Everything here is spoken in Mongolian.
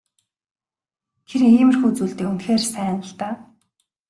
Тэр иймэрхүү зүйлдээ үнэхээр сайн л даа.